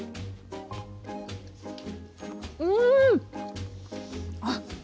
うん！あっ。